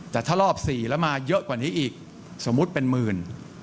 แต่ถ้ารอบ๔แล้วมาเยอะกว่านี้อีกสมมุติเป็นหมื่น